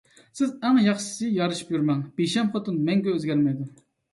سىز ئەڭ ياخشىسى يارىشىپ يۈرمەڭ، بىشەم خوتۇن مەڭگۈ ئۆزگەرمەيدۇ.